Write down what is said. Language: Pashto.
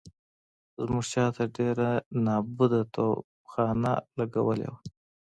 زموږ شاته ډېره نابوده توپخانه لګولې وه.